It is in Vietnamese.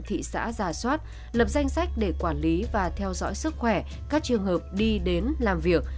thị xã giả soát lập danh sách để quản lý và theo dõi sức khỏe các trường hợp đi đến làm việc